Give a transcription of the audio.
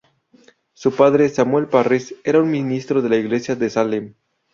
Su padre, Samuel Parris, era un ministro de la Iglesia de Salem.